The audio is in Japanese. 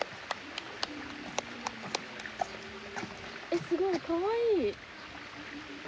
えっすごいかわいい。